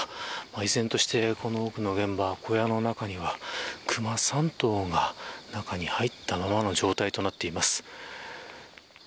依然としてこの奥の現場小屋の中には、熊３頭が中に入ったままの状態となっています。